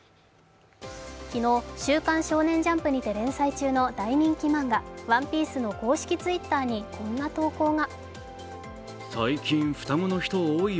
昨日、「週刊少年ジャンプ」にて連載中の大人気漫画「ＯＮＥＰＩＥＣＥ」の公式Ｔｗｉｔｔｅｒにこんな投稿が。